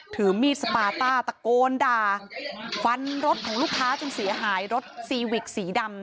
ถือมีดสปาต้าตะโกนด่าฟันรถของลูกค้าจนเสียหายรถซีวิกสีดำ